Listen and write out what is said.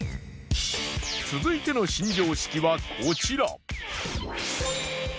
続いての新常識はこちら。